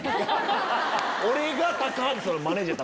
俺が。